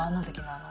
あの。